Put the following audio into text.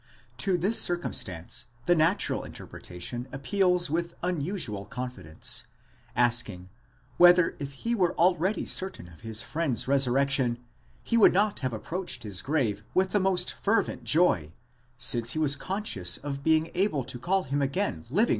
To this circumstance the natural in terpretation appeals with unusual confidence, asking whether if he were already certain of his friend's resurrection, he would not have approached his grave with the most fervent joy, since he was conscious of being able to call %8 Flatt, ut sup.